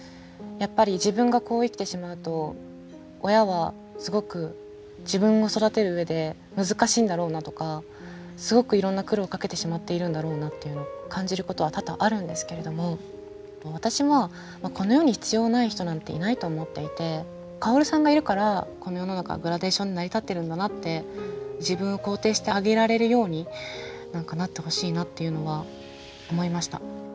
やっぱり自分がこう生きてしまうと親はすごく自分を育てる上で難しいんだろうなとかすごくいろんな苦労をかけてしまっているんだろうなっていうのは感じることは多々あるんですけれども私はこの世に必要ない人なんていないと思っていてカオルさんがいるからこの世の中グラデーション成り立ってるんだなって自分を肯定してあげられるようになってほしいなっていうのは思いました。